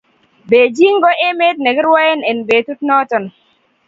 Bejin ko emet nekirwaen en betut neton